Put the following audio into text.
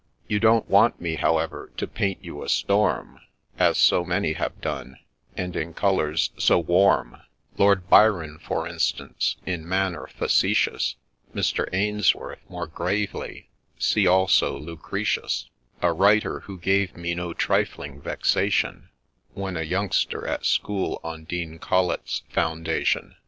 You don't want me, however, to paint you a Storm, As so many have done, and in colours so warm ; Lord Byron, for instance, in manner facetious, Mr. Ainsworth more gravely, — see also Lucretius, — A writer who gave me no trifling vexation When a youngster at school on Dean Colet's foundation.